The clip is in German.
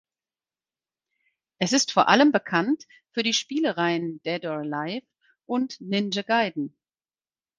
Es ist vor allem bekannt für die Spielereihen "Dead or Alive" und "Ninja Gaiden".